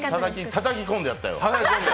たたき込んでやったよ。